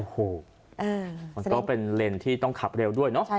โอ้โหมันก็เป็นเลนส์ที่ต้องขับเร็วด้วยเนอะ